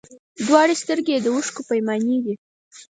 دواړي سترګي یې د اوښکو پیمانې دي